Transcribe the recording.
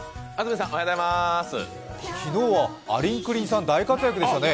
昨日はありんくりんさん、大活躍でしたね。